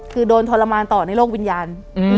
คือโดนทรมานต่อในโลกวิญญาณ